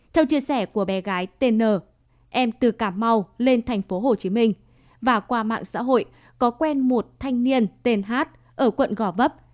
theo chia sẻ của bé gái tên n em từ cà mau lên thành phố hồ chí minh và qua mạng xã hội có quen một thanh niên tên hát ở quận gò bấp